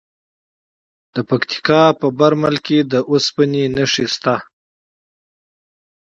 د پکتیکا په برمل کې د اوسپنې نښې شته.